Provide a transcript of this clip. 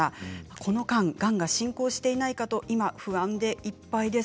この間、がんが進行していないかと今、不安でいっぱいです。